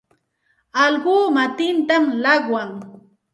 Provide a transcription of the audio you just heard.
Allquu matintam llaqwan.